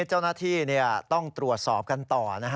เจ้าหน้าที่ต้องตรวจสอบกันต่อ